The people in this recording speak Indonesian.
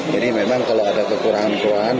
jadi memang kalau ada kekurangan kurangan